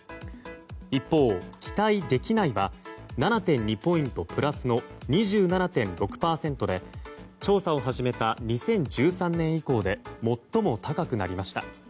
一方、期待できないは７．２ポイントプラスの２７．６％で調査を始めた２０１３年以降で最も高くなりました。